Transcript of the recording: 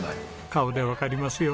顔でわかりますよ。